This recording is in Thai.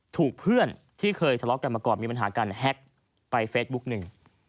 ถูกเพื่อนที่เคยทะเลาะกันมาก่อนมีปัญหากันแฮ็กไปเฟซบุ๊กหนึ่ง